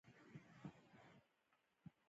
دوی د اجتماعي تحولاتو مهم لوبغاړي شوي دي.